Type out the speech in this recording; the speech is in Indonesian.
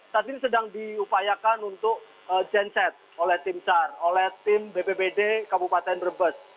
saat ini sedang diupayakan untuk genset oleh tim sar oleh tim bpbd kabupaten brebes